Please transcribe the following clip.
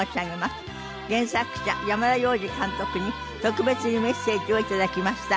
原作者山田洋次監督に特別にメッセージを頂きました。